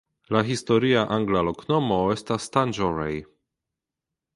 La historia angla loknomo estas "Tanjore".